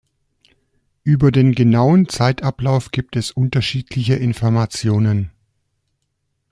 Über den genauen Zeitablauf gibt es unterschiedliche Informationen.